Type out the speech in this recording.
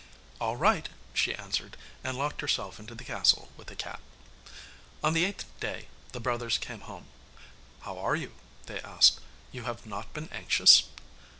'All right,' she answered, and locked herself into the castle with the cat. On the eighth day the brothers came home. 'How are you?' they asked. 'You have not been anxious?